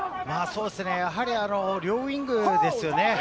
やはり両ウイングですよね。